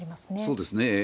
そうですね。